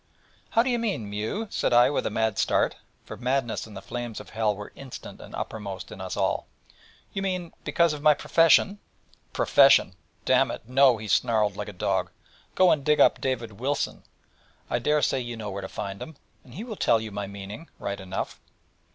'How do you mean, Mew?' said I with a mad start, for madness and the flames of Hell were instant and uppermost in us all: 'you mean because my profession ' 'Profession! damn it, no,' he snarled like a dog: 'go and dig up David Wilson I dare say you know where to find him and he will tell you my meaning, right enough.'